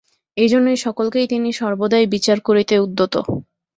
এইজন্য সকলকেই তিনি সর্বদাই বিচার করিতে উদ্যত।